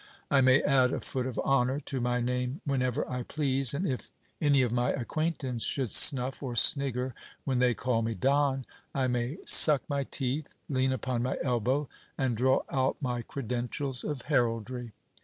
I may add a foot of honour to my name whenever I please ; and if any of my acquaintance should snuff or snigger when they call me Don, I may suck my teeth, lean upon my elbow, and draw out my credentials of heraldry.